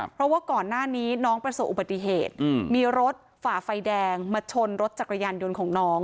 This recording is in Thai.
เพราะว่าก่อนหน้านี้น้องประสบอุบัติเหตุมีรถฝ่าไฟแดงมาชนรถจักรยานยนต์ของน้อง